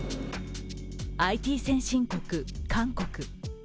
ＩＴ先進国、韓国。